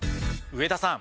上田さん